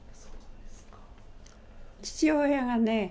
父親がね